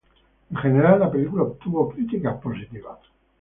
En general, la película obtuvo críticas positivas.